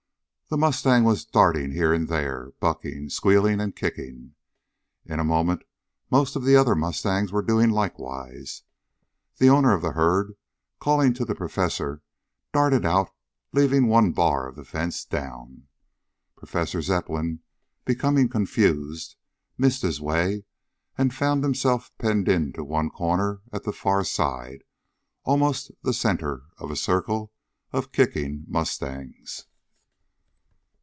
The mustang was darting here and there, bucking, squealing and kicking. In a moment most of the other mustangs were doing likewise. The owner of the herd, calling to the Professor, darted out, leaving one bar of the fence down. Professor Zepplin, becoming confused, missed his way and found himself penned into one corner at the far side, almost the center of a circle of kicking mustangs.